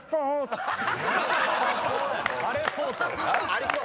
ありそう！